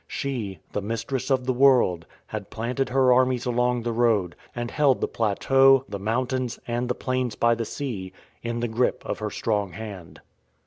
She, the Mistress of the World, had planted her armies along the Road, and held the plateau, the mountains, and the plains by the sea, in the grip of her strong hand.